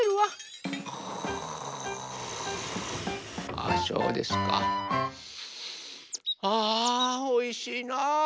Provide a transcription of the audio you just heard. あおいしいな。